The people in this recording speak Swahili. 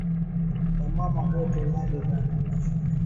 Ba mama bote nabo bana pashwa bakuye na ma mpango yabo